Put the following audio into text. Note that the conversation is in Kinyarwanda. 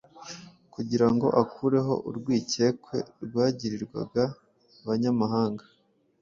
kugira ngo akureho urwikekwe rwagirirwaga abanyamahanga